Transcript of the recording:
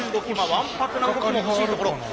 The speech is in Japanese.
わんぱくな動きも欲しいところ。